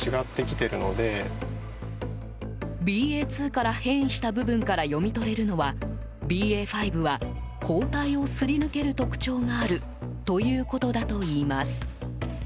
ＢＡ．２から変異した部分から読み取れるのはＢＡ．５は、抗体をすり抜ける特徴があるということだといいます。